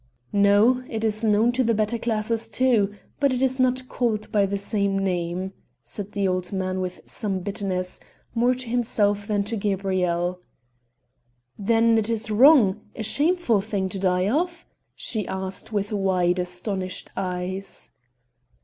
"No, it is known to the better classes too, but it is not called by the same name," said the old man with some bitterness, more to himself than to Gabrielle. "Then it is wrong a shameful thing to die of?" she asked with wide, astonished eyes.